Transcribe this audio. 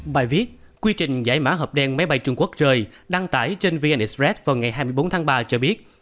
bài viết quy trình giải mã hợp đen máy bay trung quốc trời đăng tải trên vn express vào ngày hai mươi bốn tháng ba cho biết